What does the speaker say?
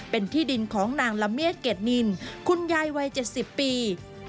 เป็นที่ดินของนางละเมียดเกรดนินคุณยายวัย๗๐ปี